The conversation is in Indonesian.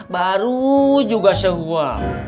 baru juga sehual